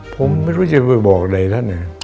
ผมไม่รู้จะไปบอกอะไรท่าน